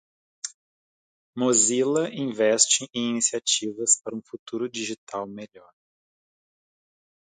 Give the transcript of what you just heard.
Mozilla investe em iniciativas para um futuro digital melhor.